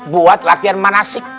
buat latihan manasik